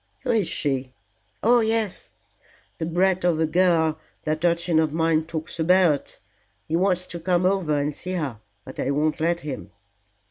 "Who is she? Oh yes. The brat of a girl that urchin of mine talks about. He wants to come over and see her, but I won't let him."